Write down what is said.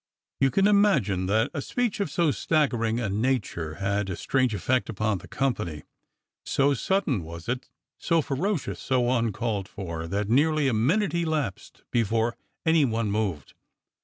You can imagine that a speech of so staggering a nature had a strange effect upon the company. So sudden was it, so ferocious, so uncalled for, that nearly a minute elapsed before any one moved.